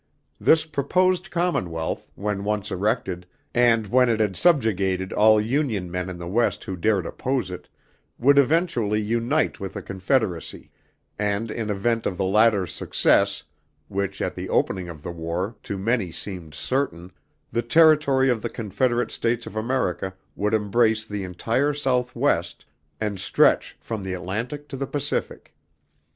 This proposed commonwealth, when once erected, and when it had subjugated all Union men in the West who dared oppose it, would eventually unite with the Confederacy; and in event of the latter's success which at the opening of the war to many seemed certain the territory of the Confederate States of America would embrace the entire Southwest, and stretch from the Atlantic to the Pacific.